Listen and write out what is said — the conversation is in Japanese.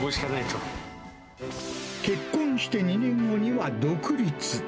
結婚して２年後には独立。